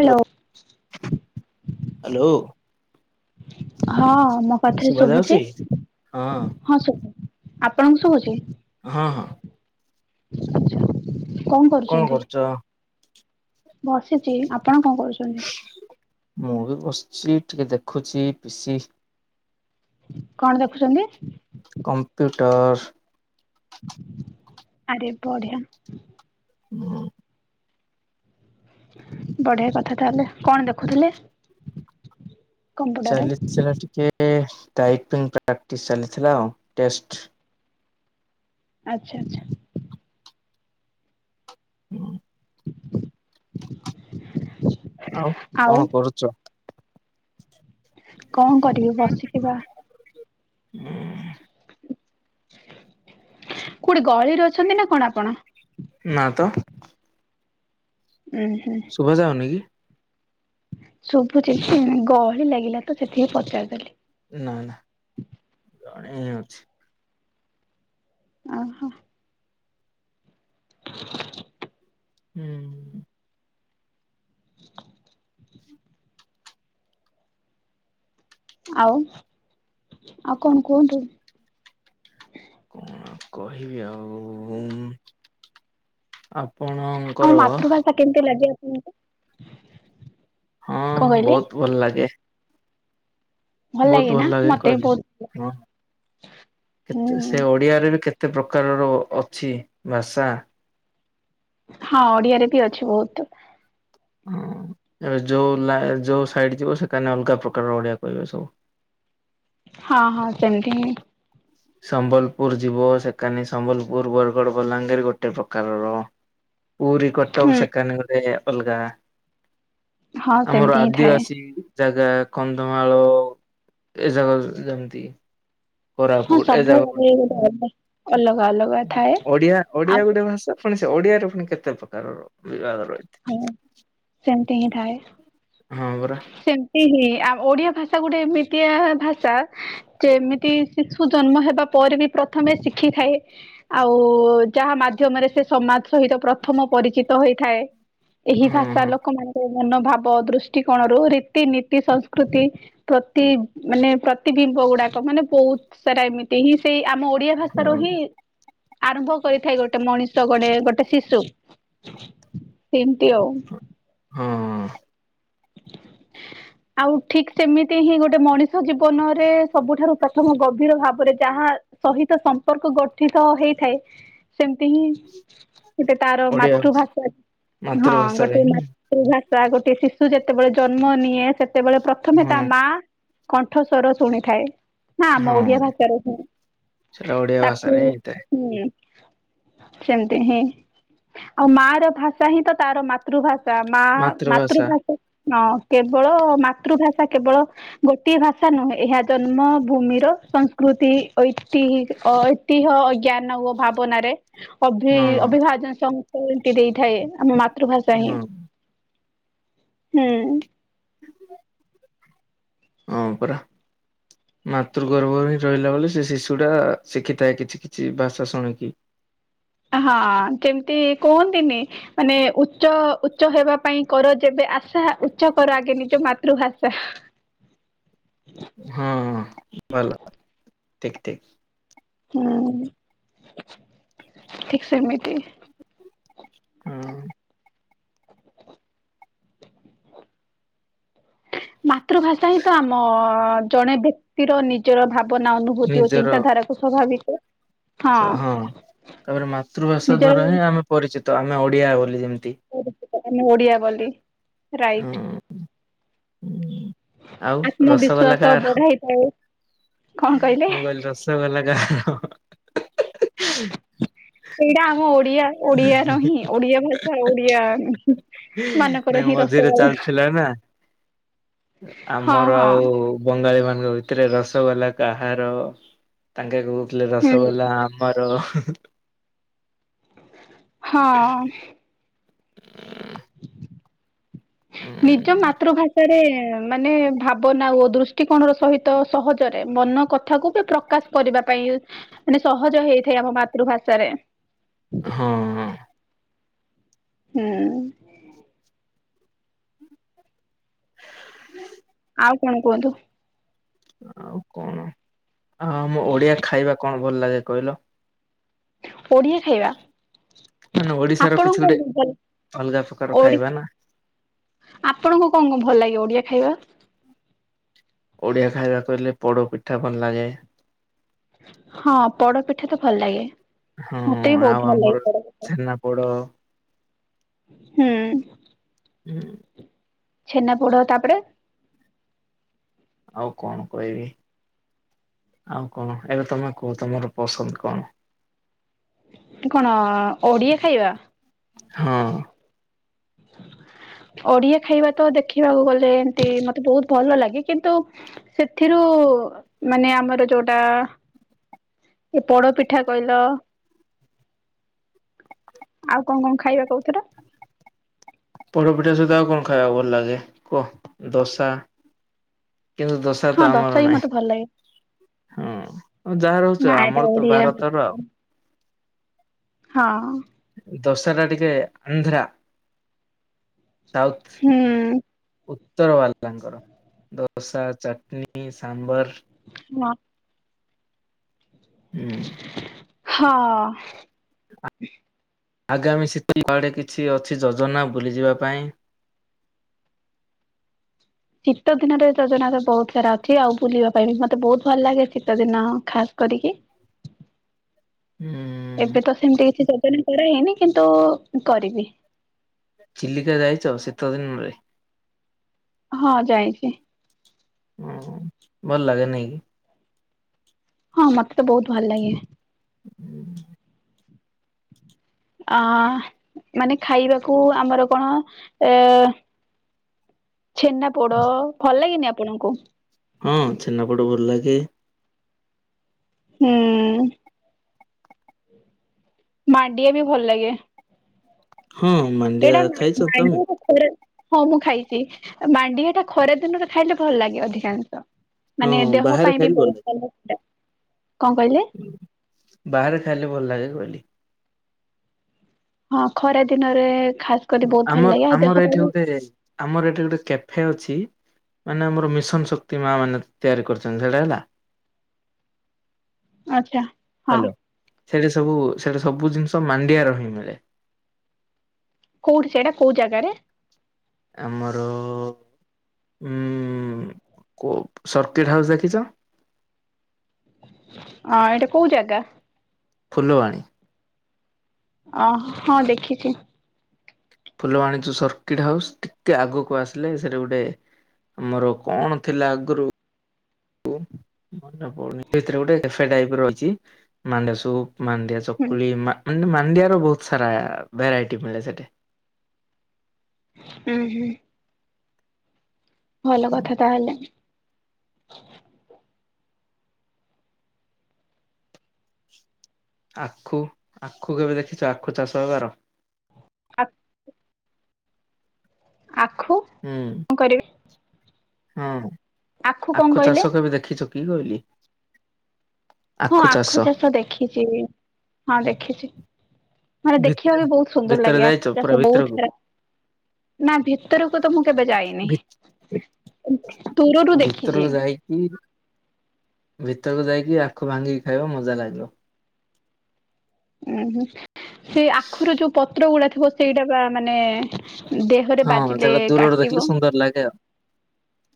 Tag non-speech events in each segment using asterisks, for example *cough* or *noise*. Hello. Hello ହଁ ମୋ କଥା ଏ ଶୁଭା ଶୁଭୁଛି ଯାଉଛି? ହଁ ଶୁୁ ଆପଣଙ୍କୁ ଶୁଭୁଛି? ହଁ ହଁ। ଆଚ୍ଛା କଣ କରୁଛନ୍ତି? ବସିଛି ଆପଣ କଣ କରୁଛନ୍ତି? ସେ ଟିକେ ଦେଖୁଛି ପି ସି କଣ ଦେଖୁଛନ୍ତି? କମ୍ପ୍ୟୁଟରସ୍। ଆରେ ବଢ଼ିଆ। ହୁଁ। ବଢିଆ କଥା ତାହେଲେ କଣ ଦେଖୁଥିଲେ? କମ୍ପ୍ୟୁଟରରେ ଚାଲିଥିଲା ଟିକେ ଟାଇପିଙ୍ଗ୍ ପ୍ରାଟିସ୍ ଚାଲିଥିଲା ଆଉ ଟେଷ୍ଟ୍। ଆଚ୍ଛା ଆଚ୍ଛା। ହୁଁ। ଆଉ କଣ କରୁଛ? କଣ କରିବି ବସିଛିବା। ହୁଁ। କୋଉଠି ଗଳିରେ ଅଛନ୍ତି ନା କଣ ଆପଣ? ନାଁ ତ । ଉୁଁ ଶୁଭା ଯାଉନି କି? ସଭୁଛି ହୁଁ ଗହଳି ଲାଗିଲା ତ ସେତିକି ପଚାରିଦେଲି। ନାଁ ନାଁ ଜଣେ ଅଛି। ଆଉ ହଁ। ହୁଁ । ଆଉ ଆଉ କଣ କୁହନ୍ତୁ । କଣ କହିବି ଆଉ ଉଁ ଆ ଆଉ ମାତୃଭାଷା କେମତି ଲାଗେ ଆପଣଙ୍କୁ? କଣ ହଁ କହିଲେ ବହୁତ୍ ଭଲ ଲାଗେ। ବହୁତ ଭଲ ନା ଲାଗେ ମତେ ବି କହିଲି ବହୁତ ହଁ ହୁଁ କେତେ ସେ ଓଡିଆରେ ବି କେ କେତେ ପ୍ରକାରର ଅଛି ଭାଷା? ହଁ ଓଡିଆରେ ବି ଅଛି ବହୁତ। ହଁ ଏବେ ଯୋଉ ଲାଏ ଯୋଉ ସାଇଡ୍ ଯିବ ସେକାନେ ଅଲଗା ପ୍ରକାରର ଓଡିଆ କହିବେ ସବୁ। ହଁ ହଁ ସେମତି ହିଁ । ସମ୍ବଲପୁର ଯିବ ସେକାନି ସମ୍ବଲପୁର ବରଗଡ ବଲାଙ୍ଗୀର ଗୋଟେ ପ୍ରକାରର । ପୁରୀ କଟକ ହୁଁ ସେକାନେ ଗଲେ ଅଲଗା ହଁ । ଆମର ସେମିତି ହିଁ ଥାଏ ଆଦିବାସୀ ଜାଗା କନ୍ଧମାଳ ଏ ଜାଗା ଯେମିତି । ହଁ ସବୁ ଆଡେ ଗୋଟେ ଅଲଦା । ଓଡିଆ ଓଡିଆ ଆଉ ଗୋଟେ ଭାଷା ପୁଣି ସେ ଓଡିଆରେ ପୁଣି କେତେ ପ୍ରକାରର ବିବାଦ । ହଁ ସେମିତି ହିଁ ଥାଏ ହଁ ପରା ସେମିତି ହିଁ ଟା ଓଡିଆ ଭାଷା ଗୋଟେ ଏମିତିଆ ଭାଷା ଯେମିତି ଶିଶୁ ଜନ୍ମ ହେବା ପରେ ବି ପ୍ରଥମେ ଶିଖିଥାଏ ଆଉ ଯାହା ମାଧ୍ୟମରେ ସେ ସମାଜ ସହିତ ପ୍ରଥମ ପରିଚିତ ହୋଇଥାଏ ଏହି ହଁ ଭାଷା ହଁ ଲୋକ ମାନଙ୍କ ମନୋଭାବ ଦୃଷ୍ଟିକୋଣରୁ ରୀତି ନୀତି ସଂସ୍କୃତି ପ୍ରତି ମାନେ ପ୍ରତି ଦି ବଉଡାକ ମାନେ ବହୁତ ସାରା ଏମିତି ହିଁ ସେଇ ଆମ ଓଡିଆ ହଁ ଭାଷାର ହିଁ ଆରମ୍ଭ କରିଥାଏ ଗୋଟେ ମଣିଷ ଗୋଟେ ଗୋଟେ ଶିଶୁ । ସେମିତି ଆଉ । ହଁ ଅଁ ଆଉ ଠିକ ସେମିତି ହିଁ ଗୋଟେ ମଣିଷ ଜୀବନରେ ସବୁଠାରୁ ପ୍ରଥମ ଗଭୀର ଭାବରେ ଯା ତାହା ସହିତ ସମ୍ପର୍କ ଗଠିତ ହେଇଥାଏ । ସେମତି ହିଁ ଗୋଟେ ତାର ଓଡିଆ ମାତୃଭାଷା ହଁ ମାତୃଭାଷାରେ ଗୋଟେ ହିଁ ମାତୃଭା ତା ଗୋଟେ ଶିଶୁ ଯେତେବେଳେ ଜନ୍ମ ନିଏ ସେତେବେଳେ ପ୍ରଥମେ ତା ହଁ ମା କଣ୍ଠସ୍ଵର ଶୁଣିଥାଏ । ହଁ ଆମ ଓଡିଆ ଭାଷାରେ ତ ସେଟା ଓଡିଆ ତାକୁ ଭାଷାରେ ହିଁ ହେଇଥାଏ ଉଁ । ସେମିତି ହିଁ ଆଉ ମା ର ଭାଷା ହିଁ ତ ତାର ମାତୃଭା ତା ମାଆ ମାତୃଭାଷା। ମାତୃଭା ହଁ କେବଳ ମାତୃଭାଷା କେବଳ ଗୋଟିଏ ଭାଷା ନୁହେଁ ଏହା ଜନ୍ମ ଭୂ ମିର ସଂସ୍କୃତି ଐତିହି ଐତିହ୍ୟ ଅଜ୍ଞାନ ଓ ଭାବନାରେ ଅଭି ହଁ ଅଭିଭାଜନ ସଂ ସୃତି ଦେଇଥାଏ ଆମ ମାତୃଭାଷା ହିଁ ହଁ। । ହୁଁ । ହଁ ପରା । ମାତୃ ଗର୍ବ ହିଁ ରହିଲା ବୋଲି ସେ ଶିଶୁ ଟା ଶିଖିଥାଏ କିଛି କିଛି ଭାଷା ଶୁଣିକି । ହଁ ଯେମିତି କୁହନ୍ତିନି ମାନେ ଉଚ୍ଚ ଉଚ୍ଚ ହେବା ପାଇଁ କର ଯେବେ ଆଶା ଉଚ୍ଚକର ଆଗେ ନିଜ ମାତୃଭାଷା। ହଁ ଭଲ ଠିକ ଠିକ। ହୁଁ ଠିକ୍ ସେମିତି ହଁ ଅଁ ମାତୃଭାଷା ହିଁ ତ ଆମ ଅଅ ଜଣେ ବ୍ୟକ୍ତିର ନିଜର ଭା ଭାବନା ଅନୁଭୂତି ଓ ନିଜର ଚିନ୍ତାଧାରାକୁ ସ୍ୱାଭାବିକ ହଁ ତାପରେ ମାତୃଭାଷା ନିଜର ଦ୍ଵାରା ହିଁ ଆମେ ପରିଚିତ ଆମେ ଓଡିଆ ବୋଲି ଯେମ ତି, ଓଡିଆ ବୋଲି ରାଇଟ୍। ଉଁ ଆଉ ରସଗୋଲା କା'ର। ବଢାଇଥାଏ କଣ କହିଲେ ମୁଁ କହିଲି ରସ ଗୋଲା କାହାର। ଏଇଟା ଆମ ଓଡିଆ ଓଡିଆ ର ହିଁ ଓଡିଆ ଭାଷା ଓଡିଆ ନାଇଁ ମାନଙ୍କର ହିଁ ମଝିରେ ରସଗୋଲା। ଚାଲିଥିଲା ନା ହଁ ଆମର ହଁ ଆଉ ବଙ୍ଗାଳୀ ମା ତାଙ୍କ ଭିତରେ ରସଗୋଲା କାହାର ତାଙ୍କେ କହୁଥିଲେ ହୁଁ ରସଗୋଲା ଆମର। ହ। ହଁ। ନିଜ ମାତୃଭାଷାରେ ଏ ମାନେ ଭାବନା ଓ ଦୃଷ୍ଟିକୋଣ ର ସହିତ ସହଜରେ ମନ କଥାକୁ ବି ପ୍ରକାଶ କରିବା ପାଇଁ ଇ ମାନେ ସହଜ ହେଇଥାଏ ଆମ ମାତୃଭାଷାରେ। ହଁ। ହୁଁ। ଆଉ କଣ କୁହନ୍ତୁ? ଆଉ କଣ ଆଉ ଆମ ଓଡିଆ ଖାଇବା କଣ ଭଲ ଲାଗେ କହିଲ? ଓଡିଆ ଖାଇବା ମାନେ ଓଡିଶାର କିଛି ଆପଣଙ୍କୁ ଗୋଟେ କଣ ଭଲ ଅଲଗା ପ୍ରକାର ଓଡି ଖାଇବା ନା? ଆପଣଙ୍କୁ କଣ କଣ ଭଲ ଲାଗିବ ଓଡିଆ ଖାଇବା? ଓଡ଼ିଆ ଖାଇବା କହିଲେ ପୋଡ଼ ପିଠା ଭଲ ଲାଗେ। ହଁ ପୋଡପିଠା ତ ଭଲ ଲାଗେ। ହଁ ମତେ ବି ବହୁତ ଆଉ ଭଲ ଲାଗେ ଆମର ପୋଡ ପିଠା ଛେନାପୋଡ। ହୁଁ। ହୁଁ। ଛେନା ପୋଡ ତା ପରେ ଆଉ କଣ କହିବି? ଆଉ କଣ ଏବେ ତମେ କୁହ ତମର ପସନ୍ଦ କଣ? କଣ ଅଅ ଓଡିଆ ଖାଇବା? ହଁ। ଓଡିଆ ଖାଇବା ତ ଦେଖିବାକୁ ଗଲେ ଏମତି ମତ୍ ବହୁତ ଭଲ ଲାଗେ କିନ୍ତୁ ସେଥିରୁ ମାନେ ଆମର ଯୋଉଟା ଏ ପୋଡପିଠା କହିଲ ଆଉ କଣ କଣ ଖାଇବା କହୁଥିଲ? ପୋଡପିଠା ସହିତ ଆଉ କଣ ଖାଇବାକୁ ଭଲ ଲାଗେ କୁହ ଦୋସା? କିନ୍ତୁ ଦୋଶା ହଁ ତ ଦଶ ଆମର ବି ନାହିଁ। ମତେ ଭଲ ଲାଗେ ହଁ ଆ ଯାହା ରହୁଛ ନା ଆଉ ଏଇଟା ଆମର ତ ଓଡିଆ ଭାରତର ଆଉ। ହଁ। ଦଶରା ଟିକେ ଆନ୍ଧ୍ରା ହୁଁ। ଉତର ବାଲାଙ୍କର ଦୋସା ଚଟନୀ ସାମ୍ବର ନା ହୁଁ। ହଁ। ଆଗାମୀ ସ୍ଥିତି କୁଆଡେ କିଛି ଅଛି ଯୋଜନା ବୁଲିଯିବା ପାଇଁ? ଶୀତ ଦିନରେ ଯୋଜନା ତ ବହୁତ ସାରା ଅଛି ।ଆଉ ବୁଲିବା ପାଇଁ ମତେ ବହୁତ ଭଲ ଲାଗେ ।ଶୀତ ଦିନ ଖାସ୍ କରିକି ହୁଁ। ଏବେ ତ ସେମିତି କିଛି ଯୋଜନା କରାହଇନି କିନ୍ତୁ କରିବି। ଚିଲିକା ଯାଇଛ ଶୀତ ଦିନରେ? ହଁ ଯାଇଛି। ହଁ ଭଲ ଲାଗେ ନାଇକି? ହଁ ମତେ ତ ବହୁତ ଭଲ ଲାଗେ। ଅ ମାନେ ଖାଇବାକୁ ଆମର କଣ ଏ ଛେନା ପୋଡ। ଭଲ ଲାଗେନି ଆପଣଙ୍କୁ? ହଁ ଛେନାପୁଡ଼ ଭଲ ଲାଗେ। ହୁଁ। ମାଡିଆ ବି ଭଲ ଲାଗେ। ହଁ ମାଣ୍ଡିଆ ଏଇଟା ଖାଇଛ ତମେ ମ *inaudible* ହଁ ମୁଁ ଖାଇଛି ମାଣ୍ଡିଆ ଟା ଖରା ଦିନରେ ଖାଇଲେ ଭଲ ଲାଗେ ଅଧିକାଂଶ। ହଁ ମାନେ ଦେହ ବାହାରେ ପାଇଁ ବି ଖାଇଲେ ବହୁତ ଲାଗେ। ଭଲ ସେଟା। କଣ କହିଲେ? ବାହାରେ ଖାଇଲେ ଭଲ ଲାଗେ କହିଲି। ହଁ ଖରା ଦିନରେ। ଖାସ କରି ବହୁତ ଭଲ ଆମର ଲାଗେ ଆଉ ଦେହ ଆମର ଏଇଠି ପାଇଁ ଗୋଟେ ଆମର ଏଇଠି ଗୋଟେ କ୍ୟାଫେ ଅଛି। ମାନେ ଆମର ମିଶନ ଶକ୍ତି ମା ମାନେ ତିଆରି କରିଛନ୍ତି ସେଇଟା ହେଲା। ଆଚଛା ହଁ। ସେଟା ସବୁ ସେଟା ସବୁ ଜିନିଷ ମାଣ୍ଡିଆ ର ହିଁ ମିଳେ। କୋଉଠି ସେଇଟା କୋଉ ଜାଗାରେ? ଆମର ଉ କ ସର୍କିଟ ହାଉସ୍ ଦେଖିଛ? ହଁ ଏଇଟା କୋଉ ଜାଗା? ଫୁଲବାଣୀ। ଅ ହଁ ଦେଖିଛି। ଫୁଲ ବାଣିଛୁ ସର୍କିଟ ହାଉସ୍ ଟିକେ ଆଗକୁ ଆସିଲେ ସେଟା ଗୋଟେ ଆମର କଣ ଥିଲା ଆଗରୁ ମନେ ପଡୁନି ସେଇଥୀ ଭିତରେ ଗୋଟେ ଟାଇପର ଅଛି ମାଣ୍ଡିଆ ସୁପ, ମାଣ୍ଡିଆ ହୁଁ ଚକୁଳି, ମା ମାଣ୍ଡିଆ ର ବହୁତ ସାରା ଭେରାଇଟି ମିଳେ ସେଠି। ହୁଁ ହୁଁ। ଭଲ କଥା ତାହେଲେ। ଆଖୁ ଆଖୁ କେବେ ଦେଖିଛୁ ଆଖୁ ଚାଷ ହେବାର? ଆଖୁ ଆ ହୁଁ। ହଁ କଣ ଆଖୁ କହିଲେ ଚାଷ କେବେ ଦେଖିଛ କି କହିଲି? ହଁ ଆଖୁ ଚାଷ ଦେଖିଛି। ହଁ ଦେଖ କିଛି ମାନେ ଦେଖିବା ଭିତରେ ବି ବହୁତ ସୁନ୍ଦର ଭିତରେ ଲାଗେ ଯାଇଛ ଆଖୁ ପୁରା ଚାଷ ବହୁତ ଭିତରକୁ ସାରା। ନା ଭିତର କଥା ତ ମୁଁ କେବେ ଯାଇନି ଭିତରକୁ ଦୂରରୁ ଦେଖିଛି। ଯାଇକି ଭିତରକୁ ଯାଇକି ଆଖୁ ଭାଙ୍ଗିକି ଖାଇବ ମଜା ଲାଗିବ। ଉୁଁ ହୁଁ ସେ ଆଖୁ ର ଯୋଉ ପତ୍ର ଗୁଡା ଥିବ ସେଇଟା ବା ମାନେ ଦେହରେ ହଁ ବାଜିଲେ ସେଜାକ ଦୂରରୁ ଦେଖିଲେ କାଟିବ ସୁନ୍ଦର ଲାଗେ ଆଉ।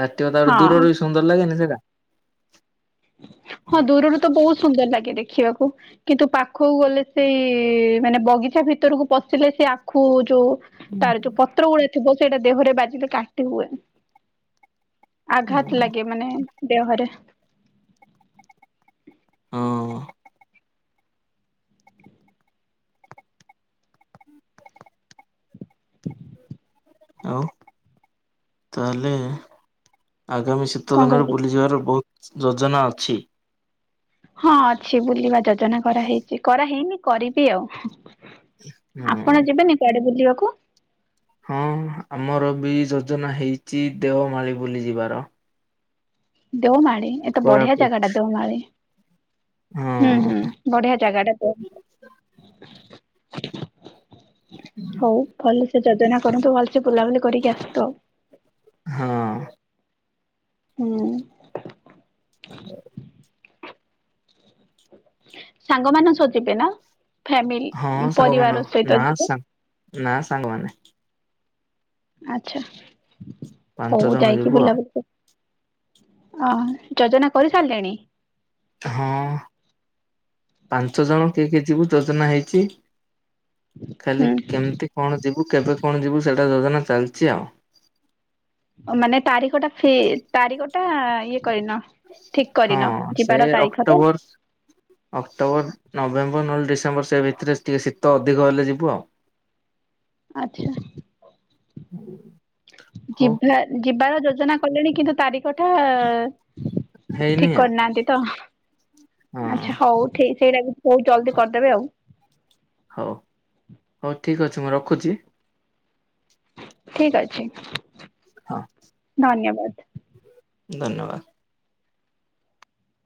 କତିବ ତା ଆଡୁ ହଁ ଦୂରରୁ ବି ସୁନ୍ଦର ଲାଗେନି ସେଟା। ହଁ ଦୂରରୁ ତ ବହୁତ ସୁନ୍ଦର ଲାଗେ ଦେଖିବାକୁ। କିନ୍ତୁ ପାଖକୁ ଗଲେ ସେଇ ମାନେ ବଗିଚା ଭିତରକୁ ପଶିଲେ ସେ ଆଖୁ ଯୋଉ ତାର ଯୋଉ ପତ୍ର ଗୁଡା ଥିବ ସେଇଟା ଦେହରେ ବାଜିଲେ କାଟି ହୁଏ। ଆଘାତ ଲାଗେ ମାନେ ଦେହରେ। ହଁ। ଆଉ ତାହଲେ? ଆଗାମୀ ଶୀତ କଣ ଦିନରେ କହିବି ବୁଲିଯିବାର ବହୁତ ଯୋଜନା ଅଛି। ହଁ ଅଛି ବୁଲିବା ଯୋଜନା କରାହେଇଛି କରାହେଇନି କରିବି ଆଉ। ହଁ ଆପଣ ଯିବେନି କୁଆଡେ ବୁଲିବାକୁ? ହଁ ଆମର ବି ଯୋଜନା ହେଇଛି ଦେଓମାଳିୀ ବୁଲିୁ ଯିବାର। ଦେଓମାଳି ଏତେ ବଢିଆ କୋରାପୁଟ ଜାଗା ଟା ଦେଓମାଳି। ହଁ ହୁଁ ହୁଁ ବଢିଆ ଜାଗାଟ ଦେଓମାଳି। ହଉ ଭଲସେ ଯୋଜନା କରନ୍ତୁ ଭଲ। ବୁଲାବୁଲି କରିକି ଆସନ୍ତୁ ଆଉ। ହଁ। ହୁଁ। ହ ସାଙ୍ଗ ମାନ ସହ ଯିବେ ନା? ଫ୍ୟାମିଲି, ହଁ ସାଙ୍ଗମାନ ପରିବାର ସହିତ ନା ଯିବ? ସା ନା ସାଙ୍ଗମାନେ ଆଛା ପାଞ୍ଚ ହଉ ଜଣ ଯାଇକି ଯିବୁ ବୁଲା ବୁଲି କ ଅ ହୋ ଯୋଜନା କରି ସାରିଲେଣି? ହଁ ପାଞ୍ଚ ଜଣ କିଏ କିଏ ଯିବୁ ଯୋଜନା ହେଇଛି। ଖାଲି ହୁଁ କେମିତି କଣ ଯିବୁ କେବେ କଣ ଯିବୁ? ସେ ଇଟା ଯୋଜନା ଚାଲିଛି ଆଉ। ମାନେ ତାରିଖ ଟା ଫିର୍ ତାରିଖଟା ଇଏ କରିନ? ଠିକ ହଁ କରିନ ସେ ଯିବାର ତାରିଖ ତ ଅକ୍ଟୋବର ଅକ୍ଟୋବର ନଭେମ୍ବର ନହେଲେ ଡିସେ ମ୍ୱର ଭିତରେ ଟିକେ ଶୀତ ଅଧିକ ହେଲେ ଯିବୁ ଆଉ। ଆଛା। ହୁଁ ଯିବା ଯିବାର ଯୋଜନା କଲେଣି କିନ୍ତୁ ତାରିଖ ଟା ଠିକ ହେଇନି ଆଉ କରିନାହାନ୍ତି ତ। ହଁ ଆଚ୍ଛା ହଉ ଠିକ ସେଇଟା ବି ବହୁତ ଜଲ୍ଦି ହଉ କରିଦେବେ ଆଉ। ହଉ ହଉ ଠିକ ଅଛି ମୁଁ ରଖୁଛି। ଠିକ ଅଛି। ହଁ। ଧନ୍ୟବାଦ। ଧନ୍ୟବାଦ।